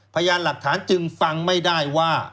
พยานหลักฐานจึงฟังไม่ได้ว่า